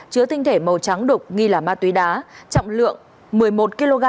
chứa tinh thể màu trắng đục nghi là ma túy đá trọng lượng một mươi một kg